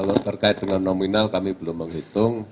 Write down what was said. kalau terkait dengan nominal kami belum menghitung